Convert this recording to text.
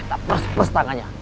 tak pers pers tangannya